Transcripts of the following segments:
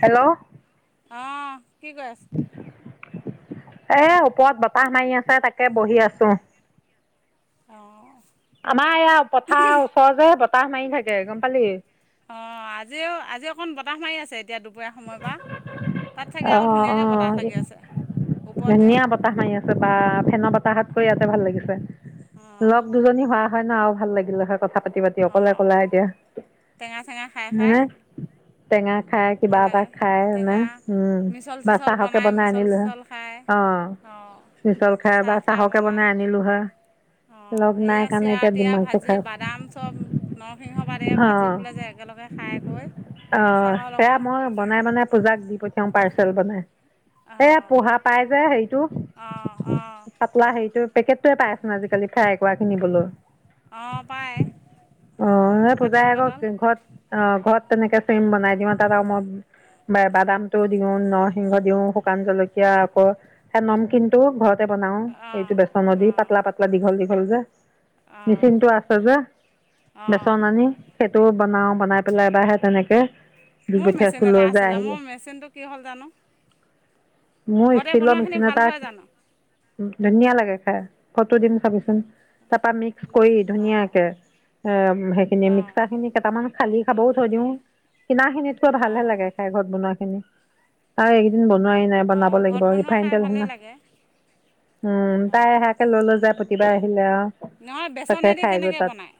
Hello. অ'! কি কৰি আছ? এ, ওপৰত বতাহ মাৰি আছে, তাকে বহি আছোঁ। অঁ আমাৰ এইয়া, পথাৰৰ ওচৰ যে, বতাহ মাৰি থাকে। গম পালি? অ'! আজিও, আজি অকণ বতাহ মাৰি আছে, এতিয়া দুপৰীয়া সময়ৰ পৰা। তাত, চাগে অ আৰু অ ধুনীয়াকে বতাহ লাগি আছে! ওপৰত যে ধুনীয়া বতাহ মাৰি আছে বা! ফেন বতাহতকৈ ইয়াতে ভাল লাগি ছে। লগ অঁ দুজনী হোৱা হয় ন'! আৰু ভাল লাগিলে হয় কথা পাতি-পাতি, অঁ অকলে-অকলে এতিয়া। টেঙা চেঙা খাই খাই হয়নে? টেঙা খায়, কিবা ভাল এটা লাগে খায় কিনে। টেঙা উম, মিছল [unintelligible] অ'! [unintelligible] [unintelligible] চিছল বনাই মিছল চিছল খায় অঁ সৰহকে বনাই আনিলোঁ হয়। অ'! লগ নাই এইয়, কাৰণে এতিয়া চৰা-তিৰা দিমাগটো ভাজি, খাই বাদাম চব, নৰসিংহ পাত, এইয়া ভাজি অ পেলে যে এগা তেওঁলোকে খাই কৰি অ'! চাহৰ সেয়া লগত মই, বনাই-বনাই পূজাক দি পঠিয়াওঁ, পাৰ্চেল বনাই। এইয়া, অঁ পোহা পাই যে, সেৰিটো, অঁ অঁ পাতলা সেৰিটো। পেকেট টোৱে পাইচোন আজিকালি, ফ্ৰাই কৰা কিনিবলৈ। অঁ পায় [unintelligible] অ'! সেই পূজাই পাতল আকৌ, পাতল ঘৰত অ'! ঘৰত তেনেকে চেম বনাই দিওঁ। তাত আৰু মই বা বাদামটো দিওঁ, নৰসিংহ দিওঁ, শুকান জলকীয়া, আকৌ, সেই নমকিনটো ঘৰত তে বনাওঁ। অঁ এইটো বেচনদি, অঁ পাতলা-পাতলা দীঘল- দীঘল যে। অঁ মেচিনটো আছে যে, অঁ বেচন আনি, সে টো বনাওঁ, বনাই পেলাই বা হে তেনেকে। দি মোৰ পঠিয়াইছো মেচিন লৈ এটা যে আছিলে, আহিলে মোৰ মেচিনটো কি হ'ল জানোঁ! মোৰ ইচতীলৰ নিচিনা তাক হয় জানো ধুনীয়া লাগে খাই ফটো দিম চাবিচোন তাৰপা মিক্স কৰি অঁ ধুনীয়াকে এ সেইখিনি অঁ মিক্সাৰ খিনি কেইটামান খালী খাবও থৈ দিও কিনাখিনি ভালে অঁ লাগে খাই ঘৰত বনোৱা খিনি আৰু এইকেইদিন ব নোৱাৰি নাই অঁ বনাব ঘৰত লাগিব বনোৱা ৰিফাইণ্ড খাই তেল হৈ ভালেই ন লাগে উম তাই অঁ সেয়াকে লৈ লৈ যাই প্ৰত্যে কিবা আহিলে আ নহয় বেচনেদি কেনেকে বনায়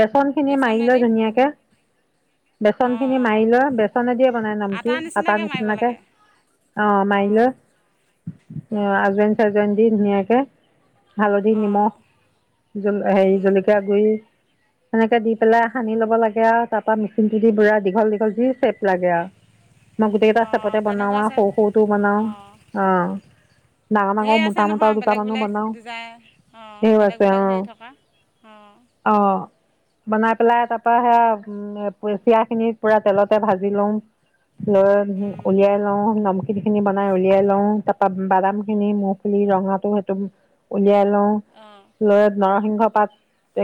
বেচন খিনি মাৰি বেচনেদি লয় ধুনীয়াকে বেচন অঁ খিনি অঁ মাৰি লৈ বেচনে দিয়ে বনাই নাম কি আটা নিচিনাকৈ মাৰিব নিচিনাকে লাগে অ মায়ি অঁ লয় অঁ হাজবেণ্ চাজবেণ্ দি ধুনীয়াকে হালধি অঁ নিমখ হেৰি জলকীয়া গুড়ি সেনেকে দি পেলাই সানি ল'ব লাগে আৰু তাৰ পৰা মেচিনটো দি পুৰা দীঘল দীঘল যি চেপ লাগে মই গোটেই কিটা অঁ চেপতে যেনেকুৱা বনাও আছে সৰু সৰু তো বনাও অ ধেই আছে নহয় বেলেগ বেলেগ ডিজাইন অ বেলেগ বেলেগ হেৰি থকা অঁ আহ বনাই পেলাই তাৰ পা সেয়া পুই পিয়া খিনি পুৰা তেলতে ভাজি লও লৈ উলিয়াই লওঁ ন তিল খিনি বনাই উলিয়াই লওঁ তাৰ পৰা বাদাম খিনি মুফলি ৰঙা টো সেইটো উলিয়াই ল অঁ লও লয় ন ৰসিংহ পাত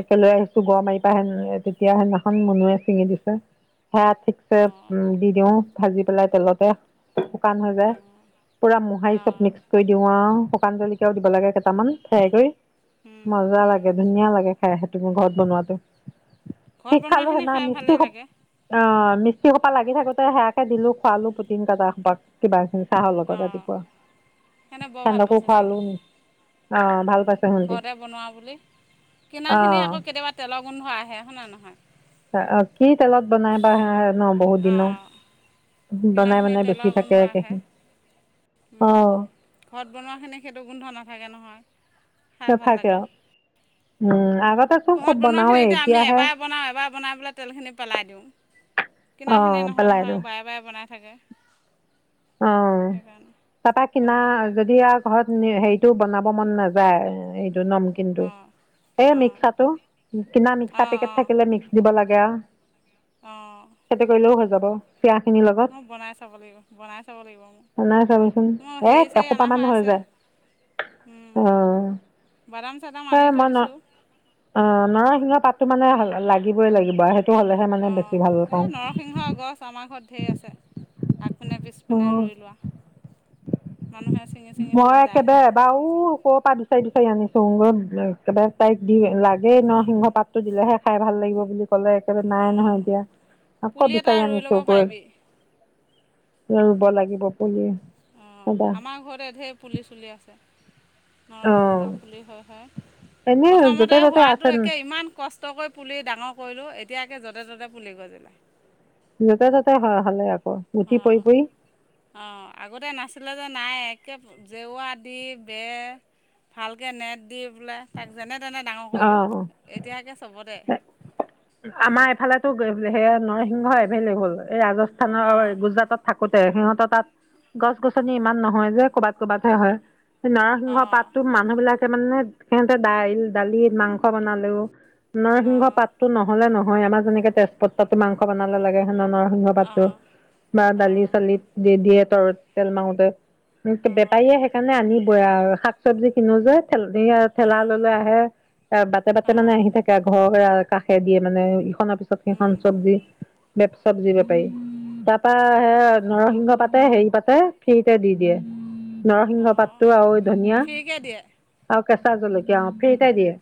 একে লৈ আহিছোঁ গ় মাৰি পাই সে তেতিয়া সেইদিনাখন মুনুুৱে ছিঙি দিছে হেয়া ঠিকছে অঁ দি দিওঁ ভাজি পেলাই তেলতে শুকান হৈ যায় অঁ পুৰা মোহাৰি চব অঁ মিক্স কৰি দিও আৰু। পান জলকীয়াও দিব লাগে কেইটামান ফাই কৰি উম, মজা উম। লাগে ধুনীয়া লাগে। সে স তুমি ঘৰত বনোৱাাতটো। ঘৰত বনোৱাখিনি খাই ভালেই লাগে। অ মিস্ত্ৰী সোপা লাগি থাকোতে সেয়াকে দিলো খোৱালো প্ৰটিন কাজটা খোপা কিবা খিনি। চাহৰ লগত অঁ ৰাতিপুৱা সেইকাৰণে বৰ ভাল সান্দকো পাইছে চাগে খোৱালো নি অ ভাল। পাইছে সিহঁতি ঘৰতে বনোৱা বুলি কিনাখিনি আকৌ অঁ কেতিয়াবা তেলৰ গোন্ধ আহে হয়নে নহয়? কি তেলত বনাই বা হ ন বহুত অঁ দিনৰ। বনাই কিনাখিনি বনাই তেলৰ বেছি গোন্ধ থাকে আহে অঁ ঘৰত বনোৱাখিনি সেইটো গোন্ধ নাথাকে নহয়। খাই ভাল নাথাকে লাগে আৰু উম আগতে চোন ঘোহৰত খুব বনাওৱে বনোৱাখিনি এতিয়া আমি এতিয়াহে এবাৰ বনাওঁ এবাৰ। বনাই পেলাই তেলখিনি পেলাই দিওঁ অঁ কিনাখিনি নহয় পেলাই নহয় বাৰে বাৰে বনাই থাকে। অ সেইকাৰণে তাৰাপা কিনা গোন্ধ ওলাই যে যদি আৰু ঘৰত। হেৰিতটো বনাব মন নাযায়। ম কিন্তু অঁ এই অঁ মিক্সাটো কিনা মিক্সা অঁ পেকেট অঁ থাকিলে মিক্স দিব লাগে। সিটো কৰিলেও হৈ যাব। চিৰা খিনিৰ লগত ম বনাই চাব লাগিব বনাই। চাব লাগিব মোৰ নাই চাবিচোন এ এসোপামান হৈ যায়। উম অঁ বাদাম চাদাম আনি সেই থৈ মই ন দিছোঁ। অ নৰসিংহৰ পাতো মানে লাগিবই লাগিব আৰু স। অঁ এই নৰসিংহ গছ আমাৰ ঘৰত ঢেৰ আছে। ফোনে অ পিছফনে ৰুই লোৱা। মানুহে ছিঙি ছিঙি লৈ মই যায়হে একেবাৰে আহি বাৰু ক পৰা দিছো। বিচাৰি বিচাৰি আনিছো [unintelligible] একবাৰে তাইক দি লাগেই নসিংহ পাতটো দিলেহে খায় ভাল লাগিব বুলি কলে একেবাৰে নাই অঁ নহয় এতিয়া, আকৌ পুলি এটা বিচাৰি ৰুই ল'ব আনিছো গৈ পাৰিবি ৰুব লাগিব পুলি। অঁ এবাৰ আমাৰ ঘৰতে ধেই পুলি চুলি আছে। অঁ নৰসিংহৰ পুলি হয় হয় এনেই য'তে প্ৰথমতে ত'তে আছে হোৱাতো একে ইমান কষ্টকৈ পুলি ডাঙৰ কৰিলো, এত এতিয়া একে য'তে ত'তে পুলি গজিলে। যতে তাতে হয় হলে আকৌ গুটি পৰি অঁ পৰি। অঁ আগতে নাছিলে যে নাই একে জেওৱা দি দে, ভালকে নেট দি পেলাই, তাক যেনে তেনে ডাঙৰ কৰিলো, অঁ এতিয়া একে চবতে। আহি আমাৰ গ'ল এফালেটো সে নৰসিংহ এভেইলেবল এই ৰাজস্থানৰ অঁ গুজৰাটত থাক থাকোতে সিহঁত তাত গছ গছনি ইমান নহয় যে কৰ'বাত ক'ৰবাতহে হয়। সেই নৰসিংহ অঁ পাতটো মানুহ বিলাকে মানে সিহঁতে দাইল দালিত মাংস বনালেও নৰসিংহ অঁ পাতটো নহলে নহয়, আমাৰ যেনেকে তেজপতাটো মাংস বনালে লাগে। হেতৰ নৰসিংহ পাতটো অঁ বা দালি অঁ চালিত দি দিয়ে তৰ তেল মাৰোতে। অঁ বেপাৰীয়ে সেইকাৰণে আনিবই আৰু শাক চবজি কিনো যে ঠেলা অঁ লৈলে আহে। এ বাটে বাটে মানে অঁ আহি থাকে ঘৰ কাষে দিয়ে মানে ইখনৰ পিছত সিখন উম চবজি। বেপ চবজি বেপাৰী। তাৰপৰা সে অঁ নৰসিংহ পাতে হেৰি পাতে ফ্ৰীতে দি দিয়ে। নৰসিংহ অঁ পাতটো আৰু ধনিয়া ফ্ৰীকৈ দিয়ে আৰু কেঁচা জলকীয়া অ ফ্ৰীতে দিয়ে।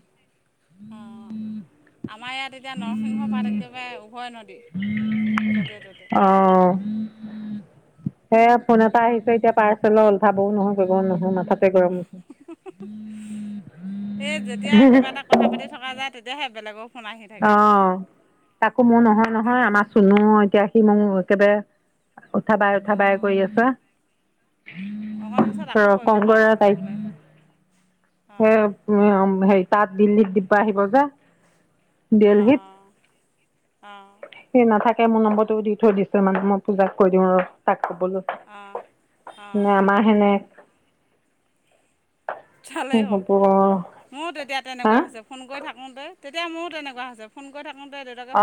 উম। আমাৰ ইয়াত এতিয়া নৰসিংহ পাত একেবাৰে উভয় নদী য'তে ত'তে। সেইয়া ফোন এটা আহিছ এতিয়া পৰ্চেলৰ ওঠাবও নহয় কৰিবও নহয় মাথাত গৰম উঠে তেতিয়া কিবা এটা কথা পাতি থকা যায় তেতিয়াহে বেলেগক অ তাকো মোৰ নহয় নহয় তেনেকৈ আমাৰ চুনুঅ এতিয়া সি মোক একেবাৰে উঠা বাই উঠা বাই অঁ কৰি আছে অকণ পিছত আকৌ কৰিব পাৰ্চেল দিবলে আহিলে সে [unintelligible] সেই তাত দিল্লীত দিব আহিব যে অঁ অঁ দিল্লিত সি নাথাক মোৰ নম্বৰটো দি থৈ দিছে মানে মই পূজাক কৈ দিওঁ ৰ তাক অঁ অঁ [unintelligible] অঁ নে আমাৰ সেনেক ভালেই হ'ল মোৰ তেতিয়া হা তেনেকুৱা হৈছে ফোন কৰি থাকোতে এতিয়া মো তেনেকুৱা হৈছে ফোন কৰি থাক অ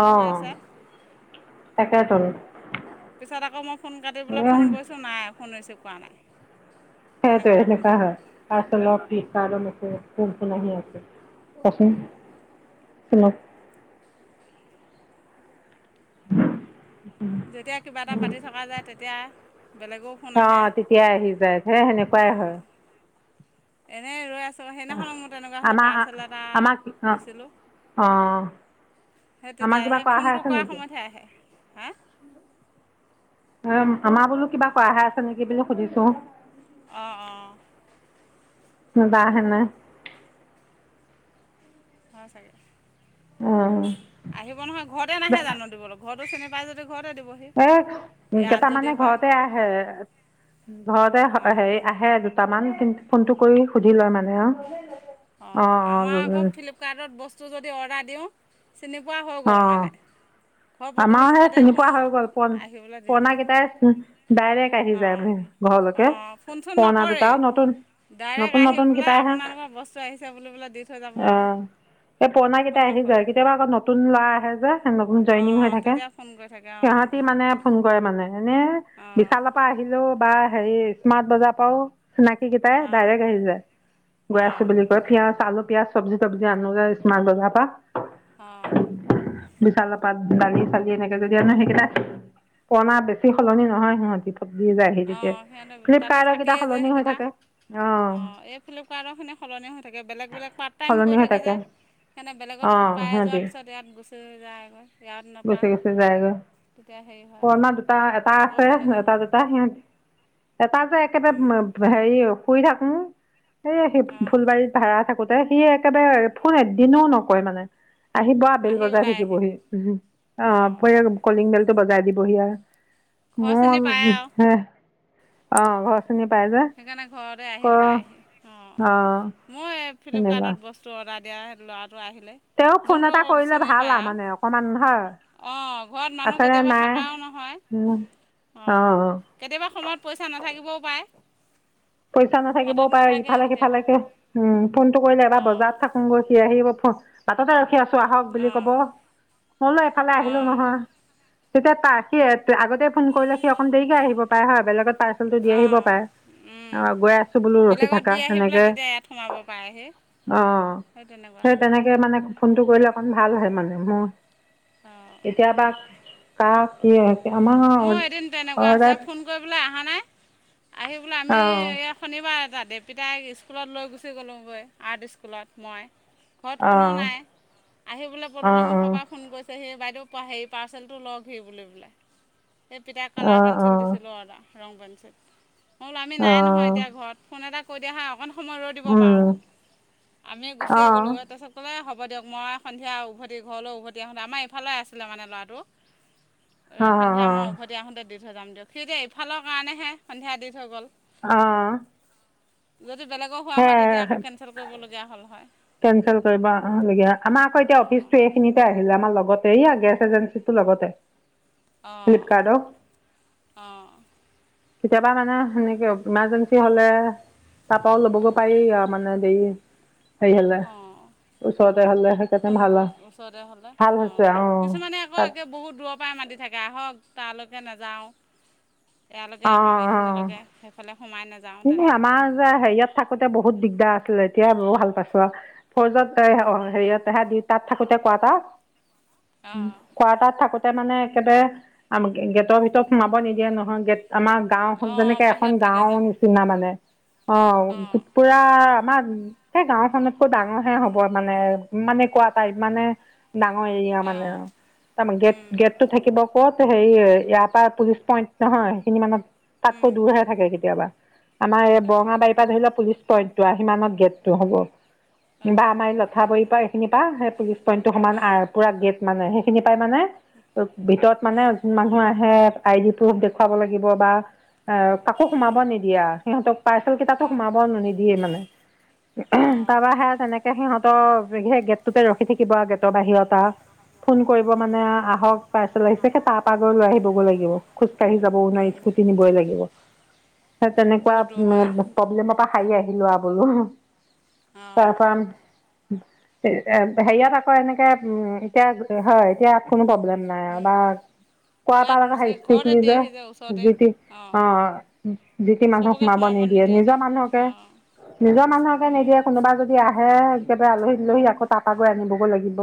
তাকেইতো পিছত আকৌ মই ফোন কাটি পেলায় ফোন কৰিছোঁ নাই ফোন ৰিচিভ কৰা নাই সেইটো তেনেকুৱা হৈ এনেকুৱা যায় হয় পাৰ্চেলৰ ফ্লিপকাৰ্টত মেছেজ কোন কোন আহি আছে কচোন উম। [unintelligible] [unintelligible] যেতিয়া কিবা এটা পাতি থকা যায় তেতিয়া বেলেগও ফোন আহে। হে সেনেকুৱাই হয়। অঁ এনেই ৰৈ আছ অ', আমা হাহ, আমা কি, অ', দিছিলোঁ অ'। সেই আমাৰ তেতিয়া কিবা সেই কৰা হৈ ফোনটো আছে কৰাৰ নেকি সময়তহে আহে। হা? আমাৰ বোলো কিবা কৰাহে আছে নেকি বুলি সুধিছো। অ', অ'। [unintelligible] হয় চাগেহ আহিব নহয়, ঘৰতে নাহে জানো দিবলৈ? ঘৰত টো চিনি পাই যদি ঘৰতে দিবহি এ ইয়াত যদি কেইটামানে হয় ঘৰতে আহে ঘৰতে অঁ হেৰি আহে দুটামান কিন্ত ফোনটো কৰি সুধি লয় মানে আৰু। অঁ অ', আমাৰ অঁ আকৌ ফ্লিপকাৰ্টত বস্তু যদি অৰ্ডাৰ দিওঁ চিনি পোৱা হৈ গ'ল মানে। ঘৰৰ আমাৰোহে পদূলিমুখতে চিনি ফোন পোৱা হৈ গ'ল পোন আহিবলৈ দি পূৰণা দিয়ে কেইটাই ডাইৰেক্ট আহি যায় অঁ মানে। ঘৰলৈকে, অঁ ফোন চোন পুৰণা নকৰেই দুটাও নতুন, ডাইৰেক্ট নতুন, আহি নতুন বোলে কেইটাই হে আপোনালোকৰ বস্তু আহিছে বুলি বোলে দি থৈ যাব আৰু অ', এই পুৰণা ফোন কেইটাই আহি যায়, নকৰে কেতিয়াবা আকৌ নতুন ল'ৰা আহে যে। নতুন জইনিং অঁ হৈ থাকে, তেতিয়া ফোন কৰি থাকে অঁ সিহঁতি মানে ফোন কৰে মানে। এনে অঁ বিশালৰ পৰা আহিলেও বা হেৰি স্মাৰ্ট বজাৰ পৰাও চিনাকি কেইটাই ডাইৰেক্ট আহি যায়, গৈ আছোঁ অঁ বুলি কৈ, [unintelligible] চালু পিয়াজ চব্জি তব্জি আনোগে মান বজাৰৰ পা। অ'। বিশালৰপাত দালি চালি এনেকে যদি আনো সেইকেইটা পুৰণা বেছি সলনি নহয় সিহঁতি। [unintelligible] যায়হি তেতিয়া অঁ সিহঁতে তাতে ফ্লিপকাৰ্টৰ কেইটা থাকেই যে সলনি হৈ সেইকেইটা থাকে অ',। অঁ এই ফ্লিপকাৰ্টৰখিনি সলনি হৈ থাকে, বেলেগ বেলেগ পাৰ্ট টাইম সলনি কৰি হৈ থাকে যে সেইকাৰণে বেলেগত অ পাই যোৱাৰ সিহঁতি পিছত ইয়াত গুচি যায়গৈ। ইয়াত নাপায় গুচি গুচি যায়গৈ, তেতিয়া হেৰি হয় আৰু পুৰণা দুটা এটা আকৌ আছে বেলেগ আহে এটা দুটা সিহঁতি এটা যে একেবাৰে উম, ম ব হেৰি শুই থাকোঁ এই সেই অঁ ফুলবাৰীত ভাড়া থাকো তে সি একেবাৰে ফোন এদিনো নকৰে মানে, আহিব বেল আহি বজাই ওলাই আহি থাকিবহি উহ। অ', প অঁ কলিং বেলটো বজাই দিবহি আৰ, ঘৰ চিনি মোৰ পায় উ আৰু হে সেইকাৰণে ঘৰতে ক আহি ওলাই আহি অ', অঁ ময়ে তেনেকুৱা ফ্লিপকাৰ্টত বস্তু অৰ্ডাৰ দিয়া ল'ৰাটো আহিলে। তেওঁ ফোন যোনটো এটা কৰিলে ভাল আৰু মানে অকমান হয়। অ', ঘৰত মানুহ আছেনে কেতিয়াবা নাই থাকাও নহয়। অ', অঁ অঁ কেতিয়াবা সময়ত পইচা নাথাকিবও পায়। পইচা নাথাকিবও পাৰে, ইফালে সিফালেকে উম ফোনটো কৰিলে এবাৰ অঁ বজাৰত থাকোগৈ সি আহিব বাটতে ৰখি আছোঁ, আহক বুলি অঁ ক'ব মই বোলো এফালে আহিলো অঁ নহয়। তেতিয়া তা সি আগতে ফোন কৰিলে সি অকণ দেৰিকে আহিব পাৰে হয়, বেলেগত পাৰ্চেলটো দি আহিব পাৰ উম, বেলেগত দি আহি বোলে তেতিয়া ইয়াত সোমাব পাৰেহি। অ', সেই তেনেকুৱা সেই তেনেকে মানে ফোনটো কৰিলে অকণ ভাল হয়, মানে মোৰ। অঁ এতিয়া বা কাৰ, কি আমাৰ মোৰ এদিন তেনেকুৱা হৈছে, অৰ্ডাৰ ফোন কৰিবলৈ আহা নাই। আহি বোলে আমি অঁ এই শনিবাৰ এটাত দেৱপীতাই স্কুলত লৈ গুচি গ'লোগৈ আৰ্ট ইস্কুলত মই ঘৰত কোনো অঁ নাই, আহি বোলে অঁ পদূলি মুখৰ পৰা ফোন কৰিছে সি বাইদেউ হেৰি পাৰ্চেলটো লওঁকহি বুলি [unintelligible] এই পিতাইৰ কালাৰ অঁ পেঞ্চিল অঁ দিছিলোঁ অৰ্ডাৰ, ৰং পেঞ্চিল মই বোলো আমি নাই নহয়, এতিয়া অঁ ঘৰত ফোন এটা কৈ দিয়া হয়, অকণ সময় ৰৈ দিব পাৰোঁ, অঁ আমি গুচিয়ে অ', গ'লোঁগৈ তাৰপিছত ক'লে হ হ'ব দিয়ক, মই সন্ধিয়া উভতি ঘৰলৈ উভতি আহোঁতে আমাৰ এইফালে আছিলে মানে ল'ৰাটো। এই সন্ধিয়া অ', মই উভতি আহোঁতে দি থৈ যাম দিয়ক, সি এতিয়া এইফালৰ কাৰণেহে সন্ধিয়া দি থৈ গ'ল। অ'। যদি বেলেগৰ হোৱা হয়, তেতিয়া আকৌ কেনচেল কৰিবলগীয়া হ'ল হয়। কেনঞ্চেল কৰিবলগীয়া আমাৰ আকৌ এতিয়া অঁ অফিচটো এইখিনিতে আহিলে আমাৰ লগতেই এইয়া গেছ এজেঞ্চিটো লগতে। অ', ফ্লিপকাৰ্টৰ অ'। কেতিয়াবা মানে সেনেকে ইমাৰজেঞ্চি হ'লে তাৰপাও ল'বগৈ পাৰি আৰু মানে দেৰি হেৰি হ'লে, অঁ ওচৰতে হ'লে সেই ফোন কৰি ওচৰতে হ'লে অ', কিছুমানে আকৌ একে বহুত দূৰৰ পৰাই মাতি থাকে আহক তালৈ নেযাওঁ, এয়ালৈকে আহঁক এইখিনিলৈকে, সেইফালে সোমাই নে এ, আমাৰ যে, হেৰিয়াত থাকোঁতে বহুত দিগদাৰ আছিলে। এতিয়া বৰ ভাল পাইছোঁ আ, ফৌৰ্জত [unintelligible] হেৰিয়তহে দি তাত থাকোঁতে কোৱাৰ্টাৰ উম, অঁ কোৱাৰ্টাৰত থাকো তে মানে একেবাৰে আমক গেটৰ ভিতৰত সোমাব নিদিয়ে নহয়, গেট আমাৰ গাঁওখন অঁ যেনেকে এখন বাহিৰত থাকে গাওঁৰ যে নিচিনা মানে। অ', অঁ পুৰা আমাৰ এই গাওখনতকৈ ডাঙৰ হে হ'ব মানে মানে কোৱা টাইপ মানে ডাঙৰ এৰিয়া মানে অঁ আৰু তাৰমানে গেট উম গেটটো থাকিব ক'ত? হেৰিয ইয়াৰ পৰা পুলিচ পইন্ট নহয় সেইখিনি মানত উম তাতকৈ দূৰ হে থাকে কেতিয়াবা? আমাৰ এই বৰঙা অঁ বাৰীৰ পৰা ধৰি লোৱা পুলিচ পইণ্ট টো আৰু সিমানত গেটটো হ'ব। বা অঁ আমাৰ এই লথাবাৰ পৰা এইখিনি পা সেই পুলিচ পইন্ট টো সমান উম পুৰা গেট মানে সেইখিনি পাই মানে ভিতৰত মানে উম মানুহ আহে। আইডি প্ৰুফ দেখুৱাব লাগিব বা এ কাকো সোমাব নিদিয়া সিহঁতক পাৰ্চল কেইটা অঁ সোমাব নিদিয়ে মানে উ অঁ তাৰপৰা সে তেনেকে সিহঁত সেই গেট টোতে ৰখি থাকিব গেটৰ বাহিৰত আউ ফোন কৰিব উম মানে আহক পাৰ্চেল আহিছে তাৰপৰা আগৰ লৈ আহিবগৈ লাগিব খোজ কাঢ়ি যাব ও উম নোৱাৰি। খুটি নিবই লাগিব। [inaudible] তাত তেনেকুৱা বহুত দূৰ হয় প্ৰব্লেমৰ পৰা সাৰি আহিলো আৰু বোলো। অঁ, তাৰপৰা হেৰিয়াত আকৌ এনেকে উ এতিয়া হয় এতিয়া কোনো প্ৰব্লেম। নাই উম বা কোৱা ইয়াত তাৰে হিক ঘৰতে দিয়েহি যে ওচৰতে যে যি অঁ অ যি কি মানুহক চবকে সোমাব নিদিয়ে নিজৰ যে মানুহকে অঁ নিজৰ মানুহকে উম নিদিয়ে কোনোবা যদি আহ হে একেবাৰে আলহী ছালহী আকৌ তাৰ পৰা আ গৈ আনিবগৈ লাগিব।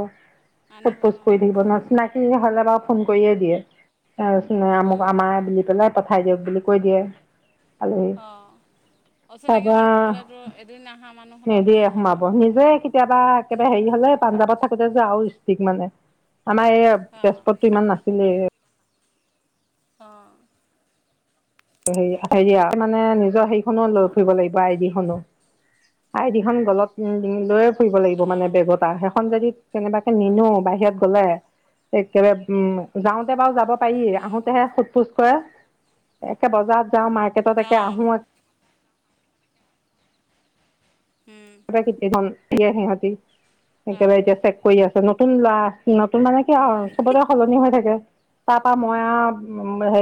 সোট আনিব পোষ্ট কৰি অঁ থাকিব ন চিনাকি হলে বাৰু ফোন কৰিয়ে দিয়ে। তাৰ পাছত উম আমাৰ বুলি পেলাই পঠাই দিয়ক বুলি কৈ দিয়ে। আলহী অঁ অচিনাকি মানুহ তাৰপৰা হ'লেতো এদিন অহা মানুহ হ'লে নিদিয়ে অসুবিধা সোমাব হয়। নিজে কেতিয়াবা একেবাৰে হেৰি হ'লে পাঞ্জাৱত থাকোতে যে আৰু ইষ্টিক মানে আমাৰ এইয়া অঁ তেজপুততটো ইমান নাছিলে। অ, হেৰি আৰু মানে নিজৰ সেইখনো লৈ ফুৰিব লাগিব আইডিখনো। আইদি খন গলত লৈয়ে ফুৰিব লাগিব মানে অঁ বেগত সেইখন যদি। কেনেবাকে নিনো বাহিৰত গলে একেবাৰে উম যাওঁতে বাৰু যাব। পাৰি উম, আহোতেহে সোধ পোছ কৰে একে বজাৰত যাওঁ মাৰ্কেটত একে অঁ আহো, উম, সিহঁতি সাৰে অঁ এতিয়া চেক কৰি আছে নতুন লাৰা, নতুন মানে কি উম। চবতে সলনি হৈ থাকে তাৰ পৰা মই হে